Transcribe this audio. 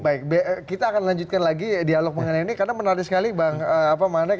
baik kita akan lanjutkan lagi dialog mengenai ini karena menarik sekali bang manek